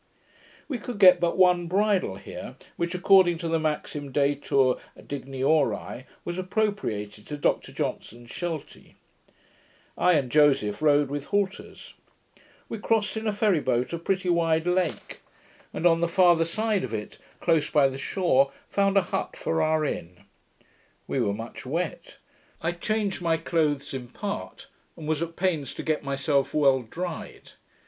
"' We could get but one bridle here, which, according to the maxim detur digniori, was appropriated to Dr Johnson's sheltie. I and Joseph rode with halters. We crossed in a ferry boat a pretty wide lake, and on the farther side of it, close by the shore, found a hut for our inn. We were much wet. I changed my clothes in part, and was at pains to get myself well dried.